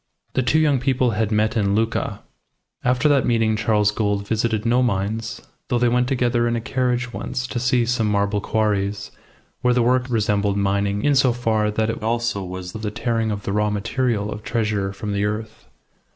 The two young people had met in Lucca. After that meeting Charles Gould visited no mines, though they went together in a carriage, once, to see some marble quarries, where the work resembled mining in so far that it also was the tearing of the raw material of treasure from the earth.